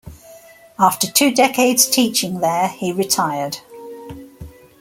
After two decades teaching there, he retired.